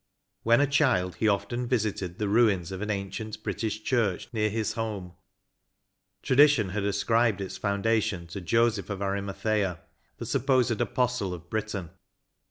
When a child, he often visited the ruins of an ancient British church near his home ; tradition had ascribed its foundation to Joseph of Arimathea, the supposed apostle of Britain.